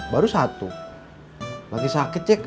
baru satu lagi sakit cek